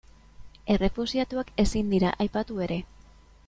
Errefuxiatuak ezin dira aipatu ere.